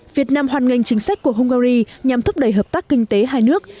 việt nam hoàn ngành chính sách của hungary nhằm thúc đẩy hợp tác kinh tế hai nước